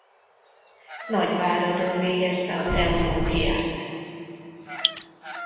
Nagyváradon végezte a teológiát.